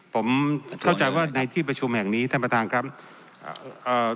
ผมเข้าใจว่าในที่ประชุมแห่งนี้ท่านประธานครับอ่าเอ่อ